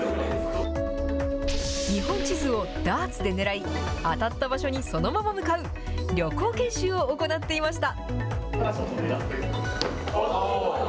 日本地図をダーツで狙い、当たった場所にそのまま向かう、旅行研修を行っていました。